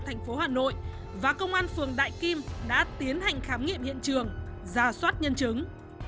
thành phố hà nội và công an phường đại kim đã tiến hành khám nghiệm hiện trường giả soát nhân chứng